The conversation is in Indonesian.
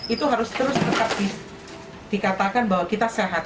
itu harus terus tetap dikatakan bahwa kita sehat